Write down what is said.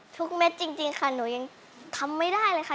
เม็ดจริงค่ะหนูยังทำไม่ได้เลยค่ะ